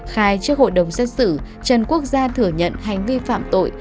khai trước hội đồng xét xử trần quốc gia thừa nhận hành vi phạm tội